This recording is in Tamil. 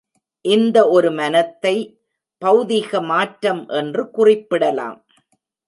இந்த ஒரு மனத்தை பெளதிக மாற்றம் என்று குறிப்பிடலாம்.